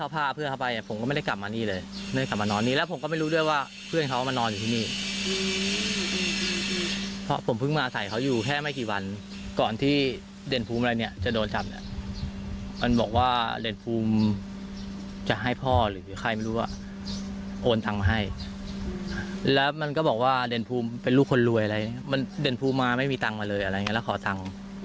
เป็นลูกคนรวยอะไรมันเด่นภูมิมาไม่มีตังค์มาเลยอะไรอย่างนี้แล้วขอตังค์